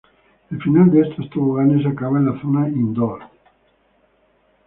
El final de estos toboganes acaba en la zona indoor.